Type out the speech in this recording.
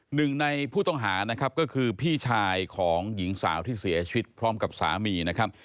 หนึ่งในผู้ต้องหานะครับก็คือพี่ชายของหญิงสาวที่เสียชีวิตพร้อมกับสามีนะครับ